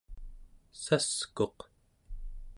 saskuq